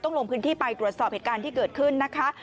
ลงพื้นที่ไปตรวจสอบเหตุการณ์ที่เกิดขึ้นนะคะ